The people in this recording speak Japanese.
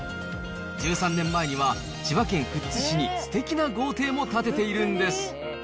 １３年前には、千葉県富津市にすてきな豪邸も建てているんです。